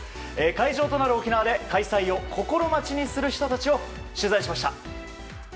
会場となる沖縄で開催を心待ちにしている人たちを取材しました。